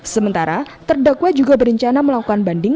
sementara terdakwa juga berencana melakukan banding